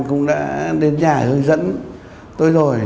cũng đã đến nhà hướng dẫn tôi rồi